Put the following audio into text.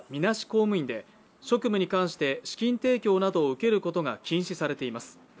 公務員で職務に関して資金提供などを受けることが禁止されています。